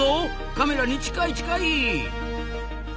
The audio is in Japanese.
カメラに近い近い。